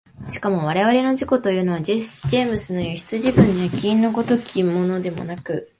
しかも我々の自己というのはジェームスのいう羊群の焼印の如きものではなく、